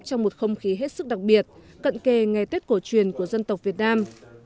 trong một không khí hết sức đặc biệt cận kề ngày tết cổ truyền của dân tộc việt nam